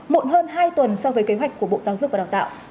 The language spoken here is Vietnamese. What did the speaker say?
muộn hơn hai tuần so với kế hoạch của bộ giáo dục và đào tạo